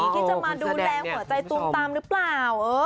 ที่จะมาดูแลหัวใจตูมตามหรือเปล่า